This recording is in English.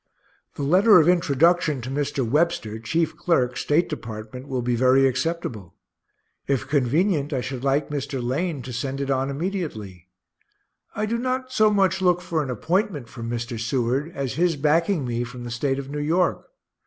The letter of introduction to Mr. Webster, chief clerk, State department, will be very acceptable. If convenient, I should like Mr. Lane to send it on immediately. I do not so much look for an appointment from Mr. Seward as his backing me from the State of New York.